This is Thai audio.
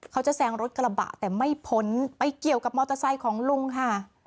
แซงรถกระบะแต่ไม่พ้นไปเกี่ยวกับมอเตอร์ไซค์ของลุงค่ะ